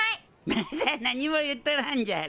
まだ何も言っとらんじゃろ。